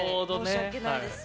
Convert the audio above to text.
申し訳ないです。